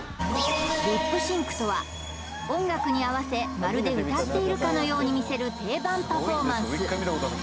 リップシンクとは音楽に合わせまるで歌っているかのように見せる定番パフォーマンス